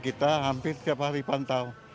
kita hampir tiap hari pantau